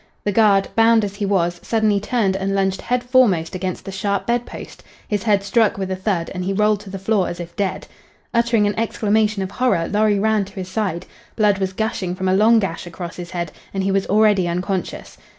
The guard, bound as he was, suddenly turned and lunged head foremost against the sharp bedpost. His head struck with a thud, and he rolled to the floor as if dead. Uttering an exclamation of horror, Lorry ran to his side. Blood was gushing from a long gash across his head, and he was already unconscious.